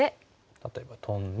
例えばトンで。